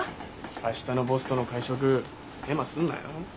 明日のボスとの会食ヘマすんなよ。